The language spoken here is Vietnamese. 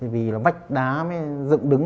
vì vách đá mới dựng đứng